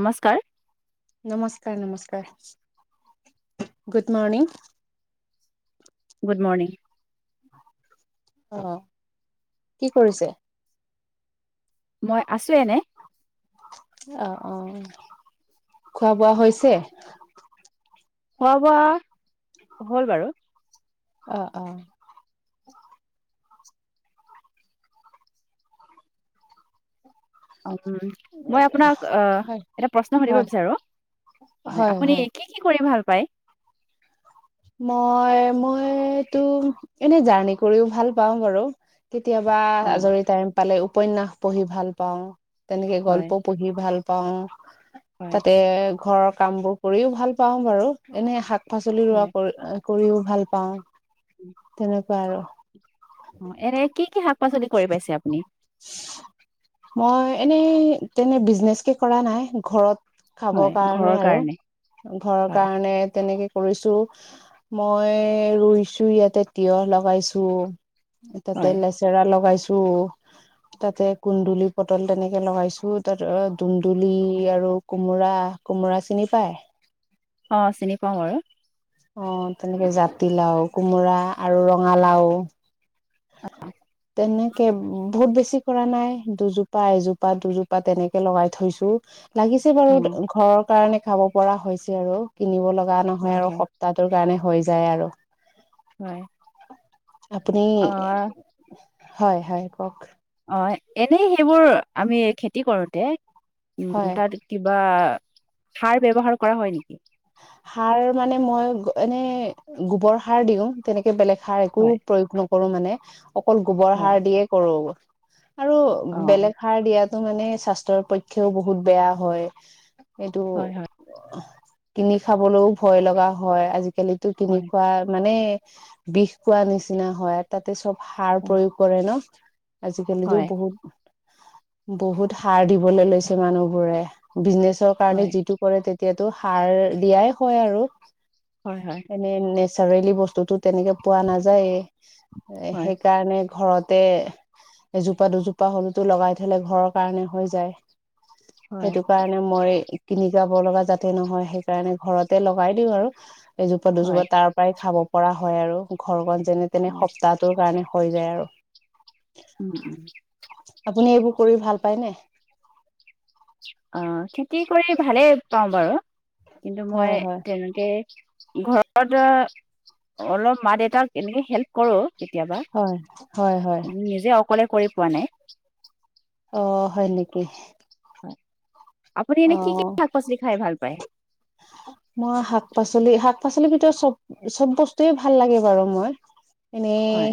নমস্কাৰ নমস্কাৰ নমস্কাৰ! Good morning! Good morning! অহ' কি কৰিছে? [unintelligible] আছো এনেই। অ' অ' খোৱা-বোৱা হৈছে? খোৱা-বোৱা হ'ল বাৰু। অহ' অহ'। মই আপোনাক হয় এটা প্ৰশ্ন সুধিব হয় বিচাৰো। অ' হয় আপুনি হয় কি কি কৰি ভাল পায়? মই মইতো এনে জাৰ্ণি কৰিও ভাল পাওঁ বাৰু। কেতিয়াবা অ আজৰি টাইম পালে উপন্যাস পঢ়ি ভাল পাও, তেনেকে হয় গল্প পঢ়ি ভাল পা পাওঁ, হয় তাতে ঘৰৰ কাম বোৰ কৰিও ভাল পাওঁ বাৰু। এনে শাক পাচলি ৰুৱা। হয় কৰিও ভাল পাওঁ, তেনেকুৱা আৰু। অ' এনে কি কি শাক-পাচলি কৰি পাইছে আপুনি? মই এনেই তেনে বিজনেচকে কৰা নাই। ঘৰত খাব হয় কাৰণে ঘৰৰ আৰু ঘৰৰ হয় কাৰণে তেনেকে। কৰিছো, মই ৰুইছো ইয়াতে তিয়হ লগাইছো, এ তাতে হয় লেচেৰা লগাইছো। তাতে কুন্দুলি, পটল তেনেকে লগাইছো। তাত দুন্দুলি আৰু কোমোৰা। কোমোৰা চিনি পায়? অ, চিনি পাও বাৰু। অ, তেনেকে জাতিলাও, কোমোৰা আৰু ৰঙালাও তেনেকে বহুত বেছি কৰা নাই দুজোপা, এজোপা, দুজোপা তেনেকে লগাই থৈছো লাগিছে অ বাৰু ঘৰৰ কাৰণে খাব পৰা হৈছে আৰু কিনিব লগ লগা হয় নহয় আৰু হয় সপ্তাহটোৰ কাৰণে হৈ যায় আৰু। হয় অ, হয়-হয় কওক? অ, এনেই সেইবোৰ আমি খেতি কৰোতে উম, হয় তাত কিবা [unintelligible] সাৰ ব্যৱহাৰ কৰা হয় নেকি? সাৰ মানে মই এনে গোবৰ সাৰ দিওঁ তেনেক এ বেলেগ সাৰ একো হয় প্ৰয়োগ নকৰো মানে অকল গোবৰ হয় সাৰ দিয়ে কৰো। আৰু অ বেলেগ সাৰ দিয়াতো মানে স্বাস্থ্যৰ পক্ষেও বহুত বেয়া হয়। এইটো হয় হয় কিনি খাবলৈও ভয় লগা হয় আজি আজিকেলিটো কিনি হয় খোৱা মানে বিষ খোৱা নিচিনা হয় তাতে চব সাৰ অ, প্ৰয়োগ কৰে ন' হয় আজিকালিটো বহুত বহুত সাৰ দিবলৈ লৈছে মানুহবোৰে বিজনেচৰ কাৰণে হয়, যিটো কৰে তে এতিয়াতো সাৰ দিয়াই হয় আৰু হয়, হয়, এনে নেচাৰেলি বস্তুটোত তেনেকে পোৱা নাযায়েই এই হয়, সেইকাৰণে ঘৰতে এজোপা-দুজোপা হলেতো লগাই থলে ঘৰৰ কাৰণে হৈ যায়। হয়, সেইটো কাৰণে মই কিনি গাব লগা জাত তে নহয় সেইকাৰণে ঘৰতে লগাই দিওঁ আৰু এজোপা হয়, -দুজোপা তাৰ পৰাই খাব পৰা হয় আৰু ঘৰখন যেনে তেনে হয়, সপ্তাহটোৰ কাৰণে হৈ যায় আৰু। উম, উম। আপুনি এইবোৰ কৰি ভাল পায় নে? অ', খেতি কৰি ভালেই পাওঁ বাৰু কিন্তু হয় মই হয় তেনেকে ঘৰত, অলপ মা দেউতাক এনেকে হেল্প কৰো। কেতিয়াবা, হয় হয় হয় নিজে অকলে কৰি পোৱা নাই। অ', হয় নেকি? হয়, আপুনি অ এনে কি কি শাক পাচলি খাই ভাল পায়? [unintelligible] মই শাক পাচলি, শাক পাচলিৰ ভিতৰত চব-চব বস্তুয়ে ভাল লাগে বাৰু মই। এনে হয়,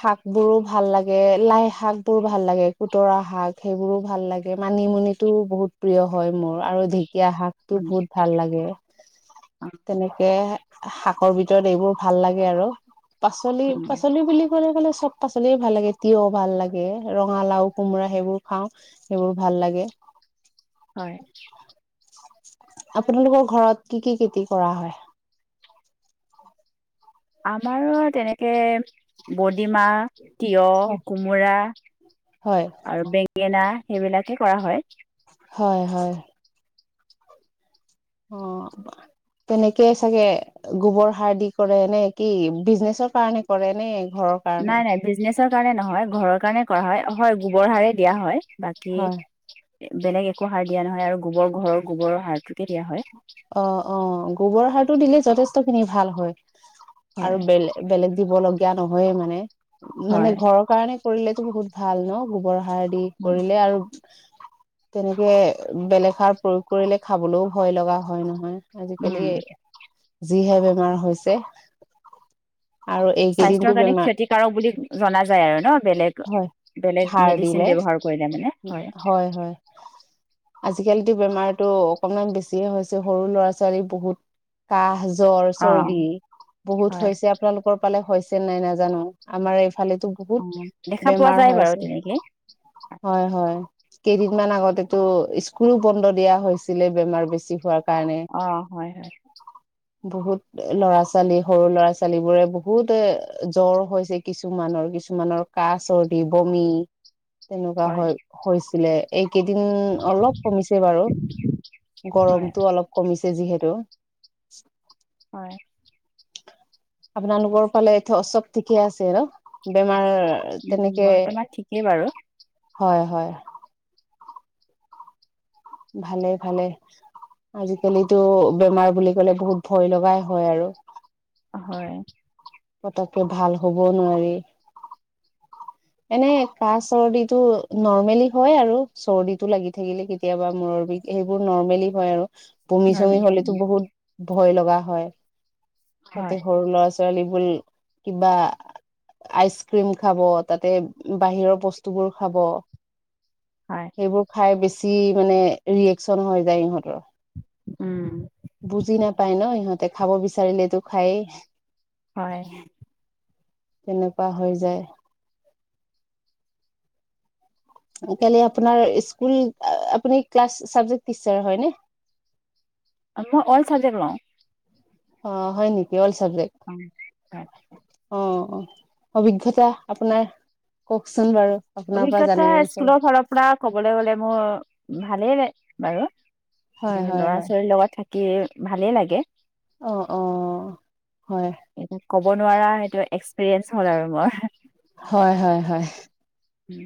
শাক বোৰো ভাল লাগে, লাই শাক বোৰো ভাল লাগে, কুতৰা শাক সেইবোৰো ভাল লাগে ম মানিমুনিটো বহুত প্ৰিয় হয় মোৰ, আৰু ঢেঁকীয়া শা টো উম, বহুত ভাল লাগে, অ', তেনেকে শাকৰ ভিতৰত এইবোৰ ভাল লাগে আৰু। উম, পাচলি-পাচলি বুলি ক'লে-ক'লে চব পাচলিয়ে ভাল লাগে, তিয়হ ভাল লাগে, ৰঙালাও, কোমোৰা সেইবোৰ খাওঁ, সেইবোৰ ভাল লাগে। [inaudible] হয়। আপোনালোকৰ ঘৰত কি কি খেতি কৰা হয়? আমাৰ তেনেকে বডিমাহ তিয়হ, কোমোৰা হয় আৰু বেঙেনা সেইবিলাকে কৰা হয়। হয়, হয়। অ'। তেনেকে চাগে গোবৰ সাৰ দি কৰে নে কি? বিজনেচৰ কাৰণে কৰে নে? ঘৰৰ কাৰণে নাই নাই, বিজনেচৰ কাৰণে নহয় ঘৰৰ কাৰণে কৰা হয়, হয় গোবৰ সাৰেই দিয়া হয়। হয় বাকী, বেলেগ একো সাৰ দিয়া নহয় আৰু গোবৰ ঘৰৰ গোবৰৰ সাৰটোকে দিয়া হয়। টো দিলে যথেষ্ট খিনি ভাল হয় আৰু হয় বেলে-বেলেগ দিব লগীয়া নহয়ে মানে। মানে হয় ঘৰৰ কাৰণে কৰিলেতো বহুত ভাল ন', গোবৰ সাৰ দি হয়। কৰিলে আৰু তেনেকে বেলেগ সাৰ প্ৰয়োগ কৰিলে খাবলৈও ভয় লগা হয় নহয়। আজিকালি উম যিহে বেমাৰ হৈছে। আৰু এইকেইদিনতো স্বাস্থ্যৰ কাৰণে বেমাৰ ক্ষতিকাৰক বুলি জনা যায় আৰু ন' বেলেগ হয় বেলেগ সাৰ দিলে মেডিচিন ব্যৱহাৰ কৰিলেম হয় হয়, আজিকালিতো বেমাৰত [unintelligible] অকনমান বেছিয়ে হৈছে, সৰু ল'ৰা ছোৱালী বহুত কাহ জ্বৰ, অ চৰ্দি বহুত হয়। হৈছে আপোনালোকৰ পালে হৈছে নাই নাজানো, আমাৰ ফালেতো অ বহুত দেখা পোৱা বেমাৰ যায় হৈ বাৰু আছে। তেনেকেই হয় হয়, কেইদিনমান আগতেটো স্কুলো বন্ধ দিয়া হৈছিলে বেমাৰ বেছি হোৱাৰ কাৰণে অ', হয় হয়। বহুত ল'ৰা ছোৱালী, সৰু ল'ৰা ছোৱালী বোৰে বহুত জ্বৰ হৈছে কিছুমানৰ কিছুমানৰ কাঁ চৰ্দি, বমি তেনেকুৱা হয় হৈ-হৈছিলে। কেইদিন অলপ কমিছে বাৰু, হয় গৰমটো অলপ কমিছ যিহেতু হয়। আপোনালোকৰ ফালে এইটোয়া অচব ঠিকে আছে আৰু, আমাৰ উম তেনেকে, বৰ্তমান ঠিকেই বাৰু। হয় হয়। ভালে ভালে, আজিকালিতো বেমাৰ বুলি ক'লে বহুত ভয় লগাই হয় আৰু হয়। কতকে ভাল হব নোৱাৰি। এনে কাহ চৰ্দিটো নৰ্মেলি হয় আৰু চৰ্দিটো লাগি থাকিলে কেতিয়াবা মূৰৰ বি সেইবোৰ নৰ্মেলি হয় আৰু বমি চমি নৰ্মেলি হ'লেতো বহুত ভয় লগা হয় তাতে হয় সৰু ল'ৰা ছোৱালী, ল কিবা, আইচক্ৰীম খাব তাতে বাহিৰৰ বস্তুবোৰ খাব হয়। সেইবোৰ খাই বেছি মানে ৰিয়েকচন হৈ যায় ইহঁতৰ উম বুজি নাপায় ন ইিহঁতে খাব বিচাৰিলেতো খায়েই হয় তেনেকুৱা হৈ যায় [unintelligible] [unintelligible] আ অল চাব্জেক্ট ল অ হয় নেকি অলচ অ ত অ অ অভিজ্ঞতা আপোনাৰ কওকচোন বাৰু আপোনাৰ পৰা অভিজ্ঞতা জানিব বিচাৰো স্কুলৰ ফালৰ পৰা কবলৈ গলে মোৰ ভালেই ল বাৰু হয়, হয়, ল'ৰা হয়। ছোৱালীৰ লগত থাকি ভালেই লাগে অ অ হয়! এ ক'ব নোৱাৰা সেইটো এক্সপিৰিয়েঞ্চ হ'ল আৰু মোৰ হয় হয় হয়! উম!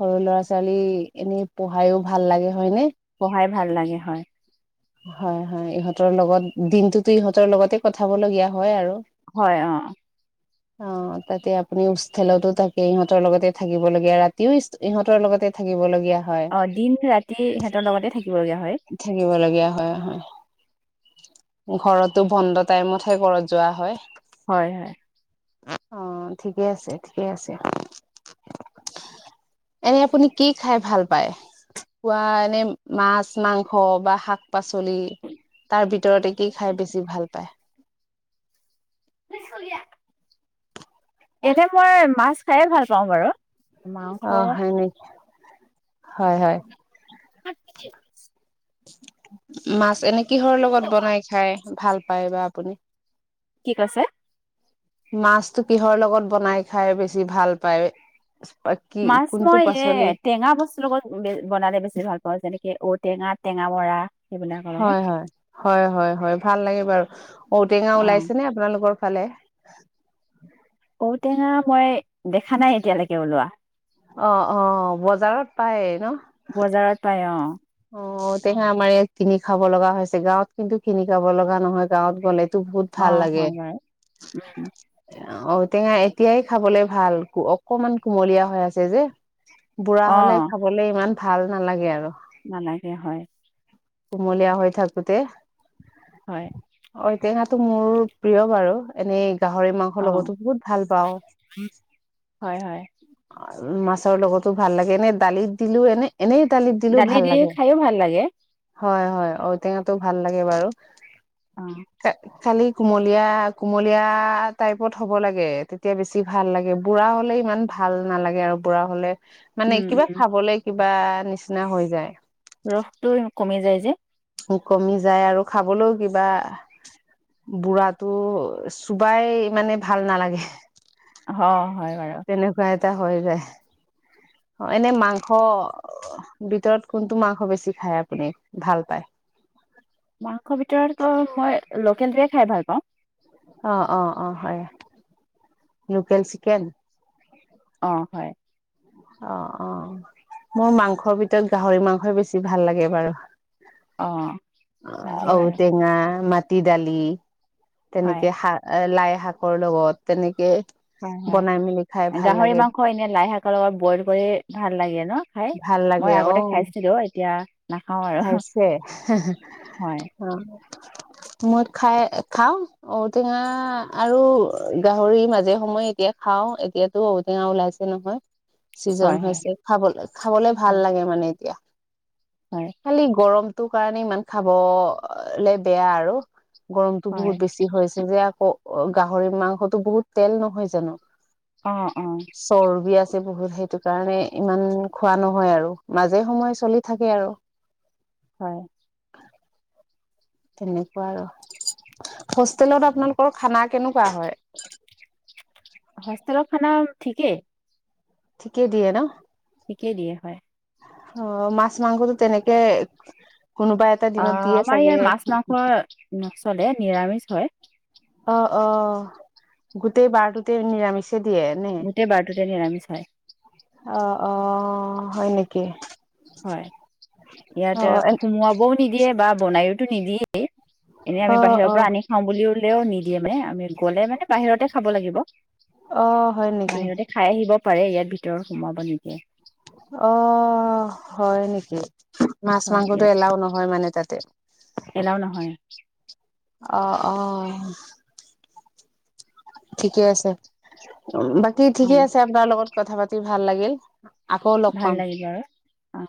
সৰু ল'ৰা ছোৱালী এনে পঢ়াইও ভাল লাগে হয়নে পঢ়াই ভাল লাগে হয়। হয় হয় ইহঁতৰ লগত দিনটোোতো ইহঁতৰ লগতে পঠাব লগগীয়া হয় আৰু হয় অ! অ তাতে আপুনি ষ্টেলতো থাকে ইহঁতৰ লগতে থাকিব লাগে ৰাতিও ইহঁতৰ লগতে থাকিবলগীয়া অ দিন ৰাতি সিহঁতৰ লগতে থাকিব লগগীয়া হয়, থাকিব লগীয়া হয়, ঘৰতো বন্ধ টাইমত হে ঘৰত যোৱা হয়। হয় হয় অ ঠিকে আছে ঠিকে আছে। এনে আপুনি কি খাই ভাল পায়? খোৱা এনে মাছ মাংস বা শাক শাক পাচলি তাৰ ভিতৰতে কি খাই বেছি ভাল পায়। [unintelligible] এতি মই মাছ খাইে ভাল পাওঁ বাৰু মাংস অ হয় নেক হয় হয়। আক মাছ এনে কিহৰ লগত বনাই খাই ভাল পায় বা আপুনি! কি কৈছে? মাছতটো কিহৰ লগত বনাই খাই বেছি ভাল পায়। কি মাছ কোনটো মই এ পাচলি? টেঙা বস্তুৰ লগত বনালে বেছি ভাল পাওঁ যেনেকে ত টেঙা টেঙা মৰা হয় হয় হয় হয় হয় ভাল লাগে বাৰু ঔটেঙা অ ওলাইছে নে আপোনালোকৰ ভালে ঔটেঙা মই দেখা নাই এতিয়ালৈকে ওলোৱা অ অ বজাৰত পায়। বজাৰত পাই অ অ তেহে আমাৰ ইয়াত কিনি খাব লগা হৈছে গাঁৱত কিন্তু কিনি খাব লগা নহয় গাঁৱত গ'লে। বহুত অ ভাল লাগে হয় বাৰু উম, অ টেঙা এতিয়াই খাবলৈ ভাল অকমান কুমলীয়া হৈ আছে যে বুঢ়া অ হলে খাবলে ইমান ভাল নালাগে আৰু নালাগে হয়। কুমলীয়া হৈ থাকোতে হয় টো মোৰ প্ৰিয় বাৰু এনেই গাহৰি মাংসৰ অ', লগতো বহুত ভাল পাওঁ। হয়, হয়। আৰু মাছৰ লগতো ভাল লাগে এনে দালিত দিলোঁ এনে এনেই দালিত দিলোঁ দালি ভাল দি লাগে। খায়ো ভাল লাগে। হয়, হয়, ঔটেঙাটো ভাল লাগে বাৰু, অ', খা-খালি কুমলীয়া, কুমলীয়া টাইপত হ'ব লাগে তেতিয়া বেছি ভাল লাগে বুঢ়া হ'লে ইমান ভাল ভাল নালাগে আৰু বুঢ়া হ'লে মানে উম, কিবা উম, খাবলে কিবা নিচিনা হৈ যায়। ৰসটো কমি যায় যে। কমি যায় আৰু খাবলৈও কিবা বুঢ়াটো চোবাই মানে ভাল নালাগে। অ', হয়। বাৰু, তেনেকুৱা এটা হয়ে যায়। অ', এনে মাংস ভিতৰত কোনটো মাংস বেছি খায় আপুনি ভাল পায়? [inaudible] মাংসৰ ভিতৰতো মই লোকেলটোৱে খাই ভাল পাওঁ। অ', অ', অ', হয়, লোকেল চিকেন? অ', হয়। অ', অ', মোৰ মাংসৰ ভিতৰত গাহৰি মাংসই বেছি ভাল লাগে বাৰু। অ', ভালেই বাৰু, ঔটেঙা, মাটি দালি। হয়। তেনেকে শাক এ লাই শাকৰ লগত তেনেকে হয়, হয়, বনাই মেলি খাই ভাল গাহৰি লাগে মাংস এনে লাইশাক লগত ব'ইল কৰি ভাল লাগে ন' খাই, ভাল মই লাগে অ আগতে খাইছিলো এতিয়া নাখাওঁ আৰু। খাইছে হয়, অ। মদ খাই খাও ঔটেঙা আৰু গাহৰি মাজে সময়ে এতিয়া খাও এতিয়াতো ঔটেঙা ওলাইছে নহয় চিজন হয়, হয়, হৈছে খাব খাবলে ভাল হয়, লাগে মানে এতিয়া। হয়। খালি গৰমটো কাৰণে ইমান খাবলে বেয়া আৰু গৰমটো হয়, বহুত বেছি হৈ হৈছে যে আকৌ গাহৰি মাংসতো বহুত তেল নহয় জানো অ', অ', চৰ্বি আছ ছে বহুত সেইটো কাৰণে ইমান খোৱা নহয় আৰু মাজে সময় চলি থাকে আৰু হয়। তেনেকুৱা আৰু হোষ্টেলত আপোনালোকৰ খানা কেনেকুৱা হয়? [inaudible] হোষ্টেলৰ খানা ঠিকেই ঠিকেই দিয়ে ন? ঠিকেই দিয়ে হয়। অ মাছ মাংসটো তেনেকে কোনোবা এটা দিনত আহ দিয়ে আমাৰ চাগে ইয়াত মাছ মাংস নচলে নিৰামিষ হয়। অ অ গোটেই বাৰটোতে নিৰামিষ দিয়ে নে গোটেই বাৰটোতে নিৰামিষ হয় অহ অহ হয় নেকি হয় ইয়াত অ সুমোৱাবও নিদিয়ে বা বনাইওতো নিদিয়েই এনে অ আমি বাহিৰৰ অ পৰা আনি খাওঁ বুললেও নিদিয়ে মানে আমি গলে মানে বাহিৰতে খাব লাগিব। অ হয় নেকি বাহিৰতে খাই আহিব পাৰে ইয়াত ভিতৰত সোমাব নিদিয়ে। অ হয় নেকি মাছ হয় মাংসটো ইয়াত এলাহও নহয় মানে তাতে। এলাও নহয় আহ আহ। ঠিকে আছে বাকী অ ঠিকে আছে আপোনাৰ লগত কথা পাতি ভাল লাগিল। আকৌ লগ ভাল পাম। লাগিব আৰু অ